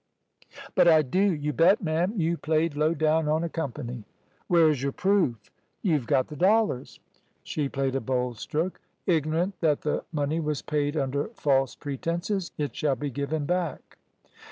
"But I do, you bet, ma'am. You played low down on a company." "Where is your proof?" "You've got the dollars." She played a bold stroke. "Ignorant that the money was paid under false pretences. It shall be given back."